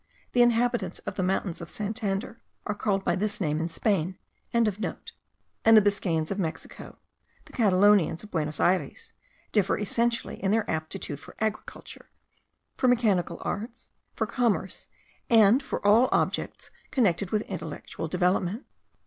The inhabitants of the mountains of Santander are called by this name in Spain.) and the Biscayans of Mexico, the Catalonians of Buenos Ayres, differ essentially in their aptitude for agriculture, for the mechanical arts, for commerce, and for all objects connected with intellectual development.